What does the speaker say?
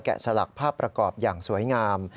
สลักภาพประกอบอย่างสวยงาม